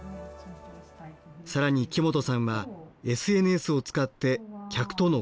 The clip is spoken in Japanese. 更に木本さんはＳＮＳを使って客との交流を行っています。